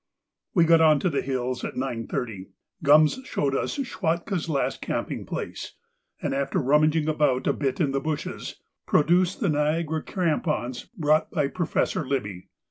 We got on to the green hills at 9.30; Gums showed us Schwatka's last camping place, and, after rummaging about a bit in the bushes, produced the Niagara crampons brought by Professor Libbey.